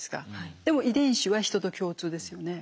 でも遺伝子はヒトと共通ですよね。